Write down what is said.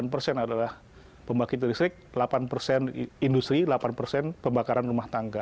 sembilan persen adalah pembangkit listrik delapan persen industri delapan persen pembakaran rumah tangga